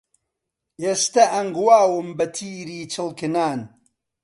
ئێستە ئەنگواوم بەتیری چڵکنان